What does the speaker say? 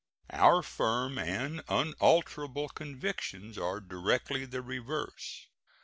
Our firm and unalterable convictions are directly the reverse.